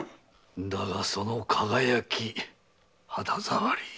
だがその輝き肌触り。